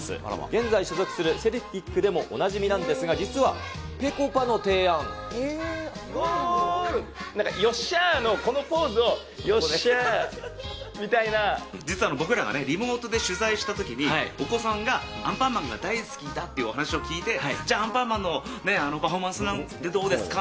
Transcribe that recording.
現在、所属するセルティックでもおなじみなんですが、実は、ぺこぱの提ゴール、なんかよっしゃーのこのポーズを、実は僕らがリモートで取材したときに、お子さんがアンパンマンが大好きだってお話を聞いて、じゃあ、アンパンマンのあのパフォーマンスなんてどうですか？